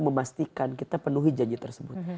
memastikan kita penuhi janji tersebut